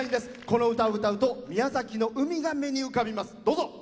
この歌を歌うと宮崎の海が目に浮かびます。